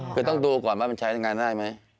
คือต้องดูก่อนว่ามันใช้งานได้ไหม